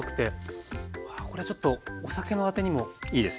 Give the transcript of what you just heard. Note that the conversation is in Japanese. あこれちょっとお酒のあてにも。いいですよね。